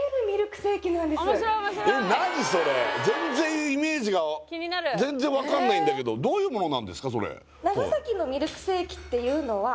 全然イメージが全然分かんないんだけどどういうものなんですか？